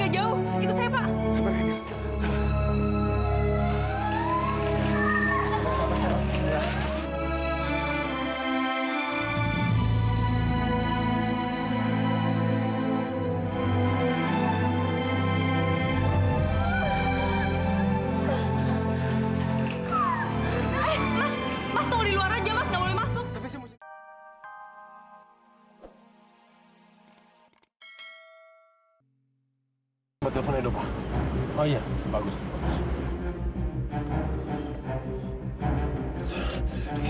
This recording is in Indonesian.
mas tolong di luar aja mas gak boleh masuk